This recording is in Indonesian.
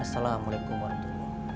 assalamualaikum wr wb